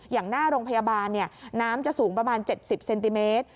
อย่างหน้าโรงพยาบาลน้ำจะสูงประมาณ๗๐เซนติเมตร